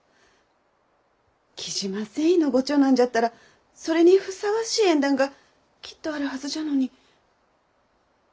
雉真繊維のご長男じゃったらそれにふさわしい縁談がきっとあるはずじゃのに。